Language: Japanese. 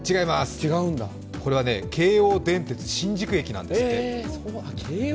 これは京王電鉄新宿駅なんですって。